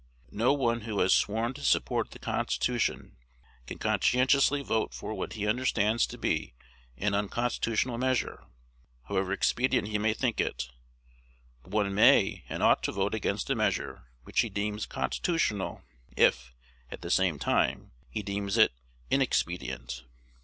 No one who has sworn to support the Constitution can conscientiously vote for what he understands to be an unconstitutional measure, however expedient he may think it; but one may and ought to vote against a measure which he deems constitutional if, at the same time, he deems it inexpedient.